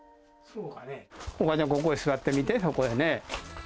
お母ちゃん、ここへ座ってみて、そこへね。